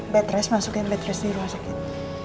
bed rest masukin bed rest di rumah sakit